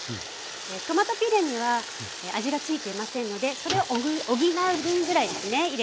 トマトピュレには味がついていませんのでそれを補う分ぐらいですね入れて下さい。